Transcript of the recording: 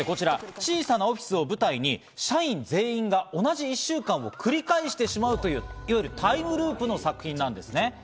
小さなオフィスを舞台に、社員全員が同じ１週間を繰り返してしまうという、いわゆるタイムループの作品なんです。